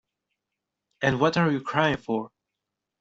And what are you crying for?